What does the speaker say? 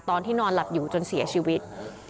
ตอนที่นอนหลับอยู่จนเสียชีวิต